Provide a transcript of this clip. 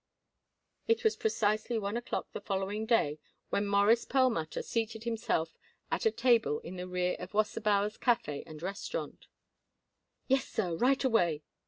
It was precisely one o'clock the following day when Morris Perlmutter seated himself at a table in the rear of Wasserbauer's Café and Restaurant. "Yes, sir, right away!"